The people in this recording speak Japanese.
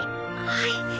はい。